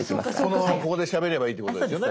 このままここでしゃべればいいってことですよね？